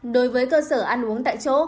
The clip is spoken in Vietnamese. đối với cơ sở ăn uống tại chỗ